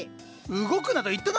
動くなと言ったのに！